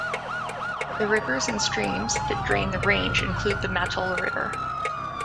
The rivers and streams that drain the range include the Mattole River.